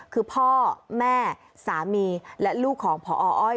คือพ่อแม่สามีและลูกของพออ้อย